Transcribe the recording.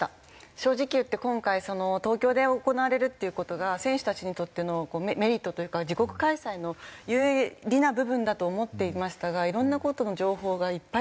正直言って今回その東京で行われるっていう事が選手たちにとってのメリットというか自国開催の有利な部分だと思っていましたがいろんな事の情報がいっぱい